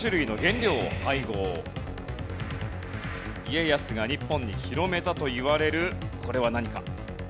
家康が日本に広めたといわれるこれは何か。